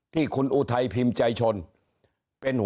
ที่คุณอุทัยพิมพ์ใจชน